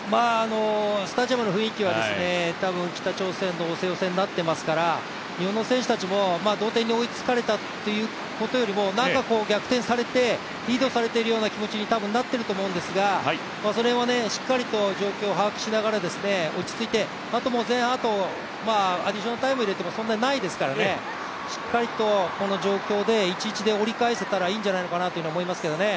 スタジアムの雰囲気はたぶん北朝鮮の押せ押せになっていますから、日本の選手たちも、同点に追いつかれたことよりもなんか逆転されてリードされているような気持ちになっていると思うんですがしっかりと状況を把握しながら、落ち着いて、あと前半もうアディショナルタイム入れてもそんなにないですから、しっかりとこの状況で１−１で折り返せたらいいんじゃないかと思いますね。